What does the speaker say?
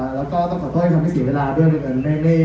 แล้วก็ต้องขอโทษที่ทำให้เสียเวลาด้วย